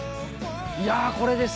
いやこれです！